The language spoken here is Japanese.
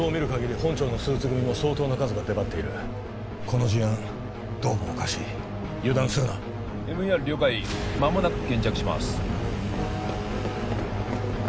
本庁のスーツ組も相当な数が出張っているこの事案どうもおかしい油断するなＭＥＲ了解まもなく現着します